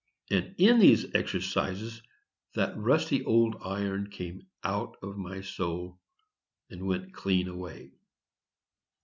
and in these exercises that rusty old iron came out of my soul, and went "clean away."